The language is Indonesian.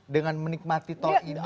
dengan menikmati tol ini